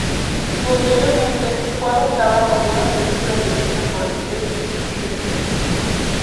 Posteriormente fue adaptada como una película dirigida por Steven Spielberg.